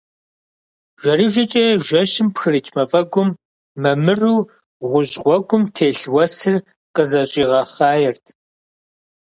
Жэрыжэкӏэ жэщым пхырыкӏ мафӏэгум, мэмыру гъущӏ гъуэгум телъ уэсыр къызэщӏигъэхъаерт.